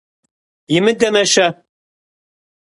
Имыдэмэ-щэ?